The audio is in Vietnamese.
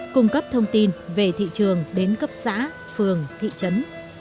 cung cấp thông tin về thị trường đến cấp xã phường thị trấn